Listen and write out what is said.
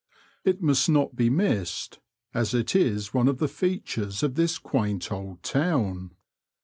It must not be missed, as it is one of the features of this quaint old town.